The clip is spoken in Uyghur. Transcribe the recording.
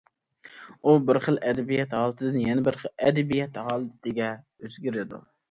ئۇ بىر خىل ئەدەبىيات ھالىتىدىن يەنە بىر خىل ئەدەبىيات ھالىتىگە ئۆزگىرىدۇ.